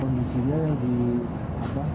kondisinya yang di apa